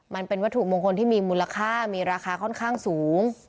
มันเป็นวัตถุมงคลที่มีมูลค่ามีราคาค่อนข้างสูง